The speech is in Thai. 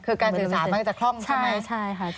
คือการจำหน่อยจะคล่องใช่ไหมใช่ค่ะใช่